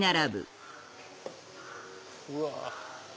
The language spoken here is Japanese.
うわ！